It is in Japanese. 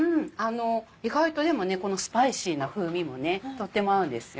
意外とでもこのスパイシーな風味もとっても合うんですよ。